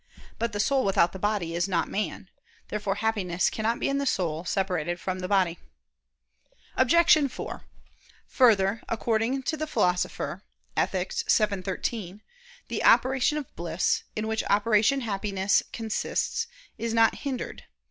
But the soul, without the body, is not man. Therefore Happiness cannot be in the soul separated from the body. Obj. 4: Further, according to the Philosopher (Ethic. vii, 13) "the operation of bliss," in which operation happiness consists, is "not hindered."